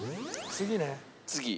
次。